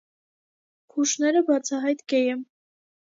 Քուշները բացահայտ գեյ է։